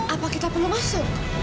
apa kita perlu masuk